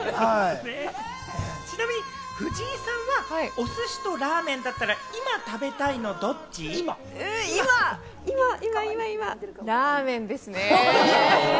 ちなみに藤井さんは、お寿司とラーメンだったら、今食べたいのドッチ？今、今、今、今、ラーメンですね。